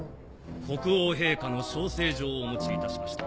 国王陛下の招請状をお持ちいたしました。